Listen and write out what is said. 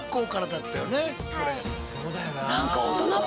そうだよな。